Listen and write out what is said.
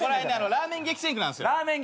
ラーメン激戦区なんすよ。